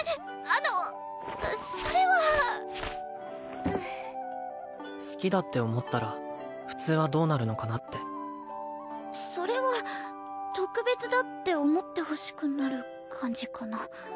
あのそれは好きだって思ったら普通はどうなるのかなってそれは特別だって思ってほしくなる感じかな